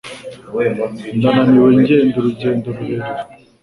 Ndananiwe ngenda urugendo rurerure.